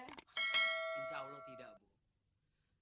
insya allah tidak bu